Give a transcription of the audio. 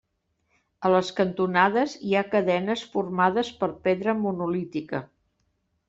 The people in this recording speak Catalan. A les cantonades hi ha cadenes formades per pedra monolítica.